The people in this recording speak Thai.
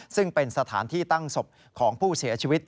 ซึ่งเป็นสถานที่ตั้งศพของผู้เสียชีวิต